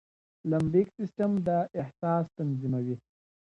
لمبیک سيستم دا احساس تنظيموي.